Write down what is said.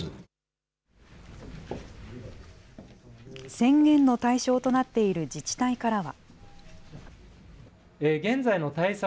宣言の対象となっている自治体からは。